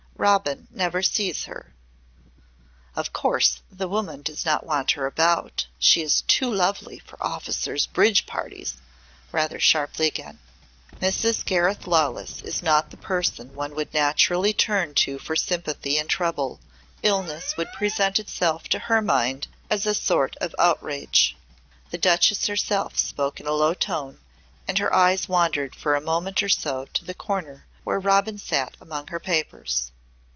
Robin never sees her." "Of course the woman does not want her about. She is too lovely for officers' bridge parties," rather sharply again. "Mrs. Gareth Lawless is not the person one would naturally turn to for sympathy in trouble. Illness would present itself to her mind as a sort of outrage." The Duchess herself spoke in a low tone and her eyes wandered for a moment or so to the corner where Robin sat among her papers.